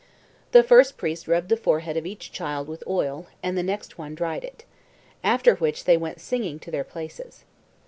The first priest rubbed the forehead of each child with oil, and the next one dried it. After which they went singing to their places.